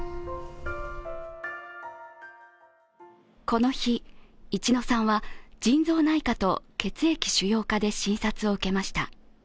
この日、一乃さんは腎臓内科と血液腫瘍科で診察を受けました。